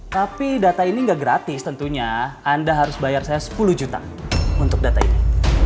tapi data ini nggak gratis tentunya anda harus bayar saya sepuluh juta untuk data ini